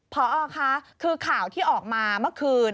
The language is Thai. พอคะคือข่าวที่ออกมาเมื่อคืน